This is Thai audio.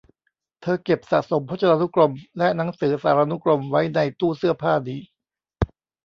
เธอเก็บสะสมพจนานุกรมและหนังสือสารานุกรมไว้ในตู้เสื้อผ้านี้